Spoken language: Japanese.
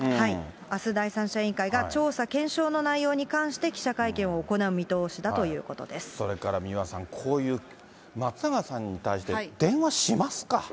あす、第三者委員会が調査・検証の内容に関して記者会見を行う見通しだそれから三輪さん、こういう松永さんに対して電話しますか？